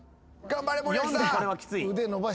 頑張れ。